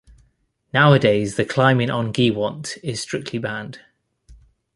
Nowadays the climbing on Giewont is strictly banned.